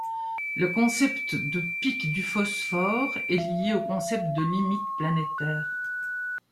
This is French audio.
Le concept de pic du phosphore est lié au concept de limites planétaires.